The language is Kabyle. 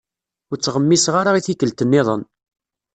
Ur ttɣemmiseɣ ara i tikkelt- nniḍen.